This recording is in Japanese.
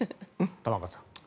玉川さん。